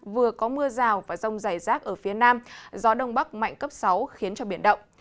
vừa có mưa rào và rông dày rác ở phía nam gió đông bắc mạnh cấp sáu khiến cho biển động